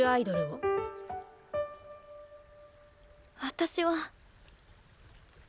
私は。